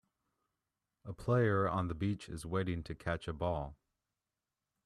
A player on the beach is waiting to catch a ball.